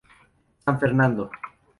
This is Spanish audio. San Fernando.